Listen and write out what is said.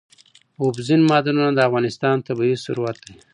اوبزین معدنونه د افغانستان طبعي ثروت دی.